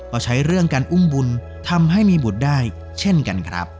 ก็ใช้เรื่องการอุ้มบุญทำให้มีบุตรได้เช่นกันครับ